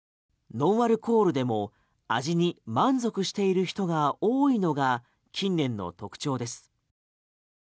ノンアルコールでも味に満足している人が多いのが近年の特徴です。